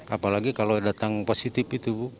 apalagi kalau datang positif itu bu